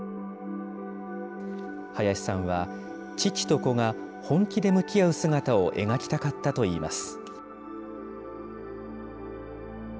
林さんは、父と子が本気で向き合う姿を描きたかったといいます。